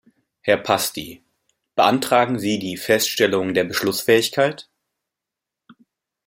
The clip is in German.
Herr Pasty, beantragen Sie die Feststellung der Beschlussfähigkeit?